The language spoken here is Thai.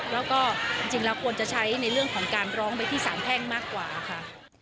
แล้วก็จริงแล้วควรจะใช้ในเรื่องของการร้องไปที่สารแพ่งมากกว่าค่ะ